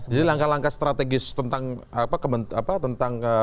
jadi langkah langkah strategis tentang